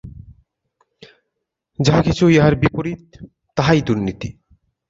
যাহা কিছু ইহার বিপরীত, তাহাই দুর্নীতি।